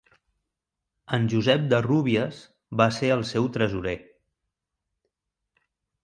En Josep de Rúbies va ser el seu tresorer.